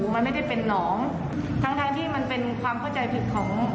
มันไม่ได้เป็นน้องทั้งทั้งที่มันเป็นความเข้าใจผิดของ